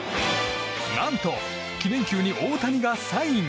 何と、記念球に大谷がサイン。